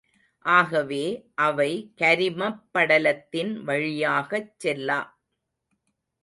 ஆகவே அவை கரிமப் படலத்தின் வழியாகச் செல்லா.